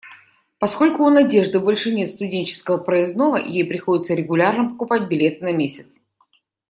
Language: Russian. Поскольку у Надежды больше нет студенческого проездного, ей приходится регулярно покупать билеты на месяц.